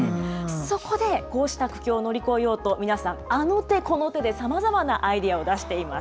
そこで、こうした苦境を乗り越えようと、皆さん、あの手この手でさまざまなアイデアを出しています。